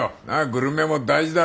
グルメも大事だろう。